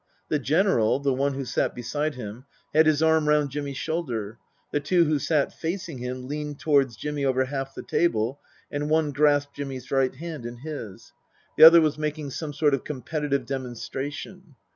The General (the one who sat beside him) had his arm round Jimmy's shoulder ; the two who sat facing him leaned towards Jimmy over half the table, and one grasped Jimmy's right hand in his ; the other was making some sort of competitive demonstration.